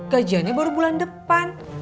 gajiannya baru bulan depan